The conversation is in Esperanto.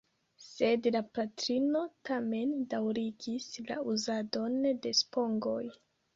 Sed la patrino tamen daŭrigis la uzadon de spongoj.